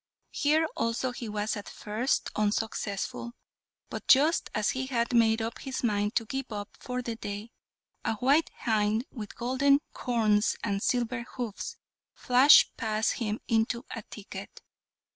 Here also he was at first unsuccessful, but just as he had made up his mind to give up for that day, a white hind with golden horns and silver hoofs flashed past him into a thicket.